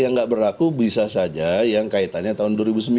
yang nggak berlaku bisa saja yang kaitannya tahun dua ribu sembilan